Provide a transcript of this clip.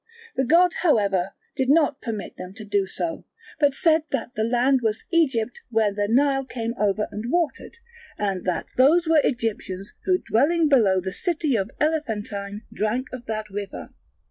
The god however did not permit them to do so, but said that that land was Egypt where the Nile came over and watered, and that those were Egyptians who dwelling below the city of Elephantine drank of that river.